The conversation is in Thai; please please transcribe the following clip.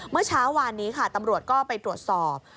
เมื่อเช้าวานนี้ค่ะตำรวจก็ไปตรวจสอบ